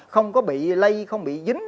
không có bị lây không bị dính